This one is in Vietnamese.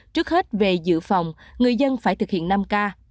trước hết về dự phòng người dân phải thực hiện năm k